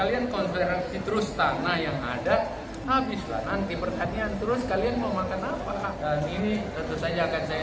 jangan diizinkanlah ya ini salahnya